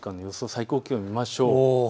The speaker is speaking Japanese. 最高気温を見ましょう。